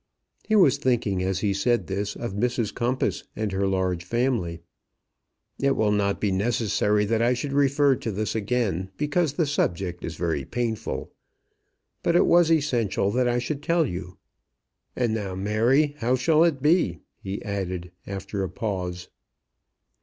He was thinking, as he said this, of Mrs Compas and her large family. "It will not be necessary that I should refer to this again, because the subject is very painful; but it was essential that I should tell you. And now, Mary, how shall it be?" he added, after a pause.